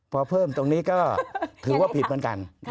พอเพิ่มตรงนี้ก็ถือว่าผิดเหมือนกัน